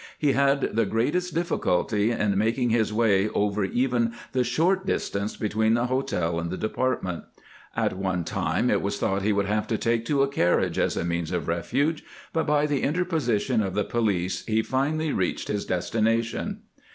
He had the greatest diffi culty in making his way over even the short distance between the hotel and the department. At one time it was thought he would have to take to a carriage as a means of refuge, but by the interposition of the police he finally reached his destination.